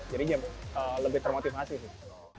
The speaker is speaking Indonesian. jadi itu lebih termotivasi sih